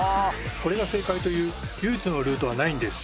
これが正解という唯一のルートはないんです。